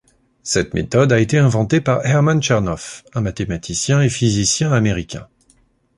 Cette méthode a été inventée par Herman Chernoff, un mathématicien et physicien américain.